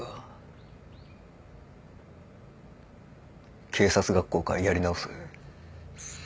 警察学校からやり直せ。